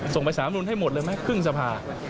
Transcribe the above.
ส่งไปสามนุนให้หมดเลยไหมครึ่งสภา